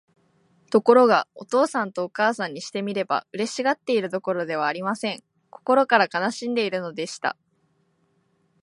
ところが、お父さんとお母さんにしてみれば、嬉しがっているどころではありません。心から悲しんでいるのでした。